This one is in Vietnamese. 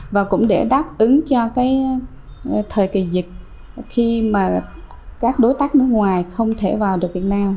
và cũng để đáp ứng cho cái thời kỳ dịch khi mà các đối tác nước ngoài không thể vào được việt nam